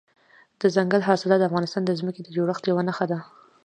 دځنګل حاصلات د افغانستان د ځمکې د جوړښت یوه نښه ده.